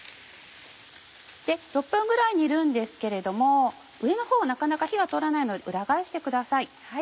６分ぐらい煮るんですけれども上のほうなかなか火が通らないので裏返してください。